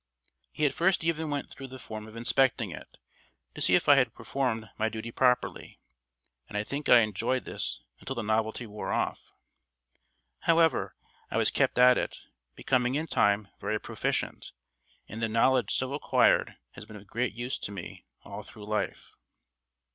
He at first even went through the form of inspecting it, to see if I had performed my duty properly, and I think I enjoyed this until the novelty wore off. However, I was kept at it, becoming in time very proficient, and the knowledge so accquired has been of great use to me all through life.